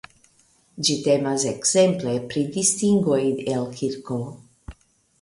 Ĝi temas ekzemple pri distingoj el kirko.